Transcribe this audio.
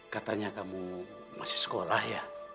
katanya kamu masih sekolah ya